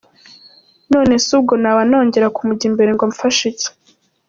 None se ubwo naba nongera kumujya imbere ngo amfashe iki?”.